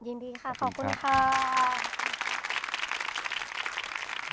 ยินดีค่ะขอบคุณครับขอบคุณค่ะ